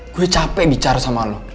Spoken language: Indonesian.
aku capek bicara sama kamu